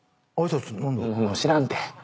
知らんて。